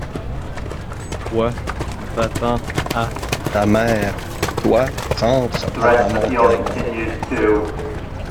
Toi, va-t'en à : ta mer. Toi, rentre à ta montagne.